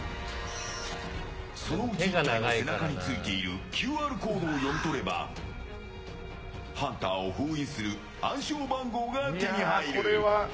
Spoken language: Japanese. そのうち１体の背中についているＱＲコードを読み取ればハンターを封印する暗証番号が手に入る。